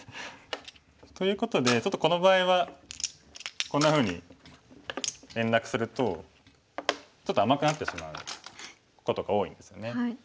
ということでちょっとこの場合はこんなふうに連絡するとちょっと甘くなってしまうことが多いんですね。